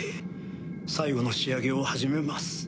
最後の仕上げを始めます。